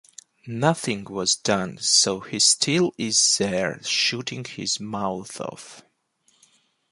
Nothing was done so he still is there shooting his mouth off.